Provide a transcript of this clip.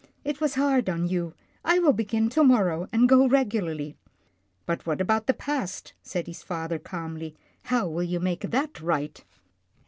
It was hard on you. I will begin to morrow, and go regularly." " But what about the past," said his father calmly. " How will you make that right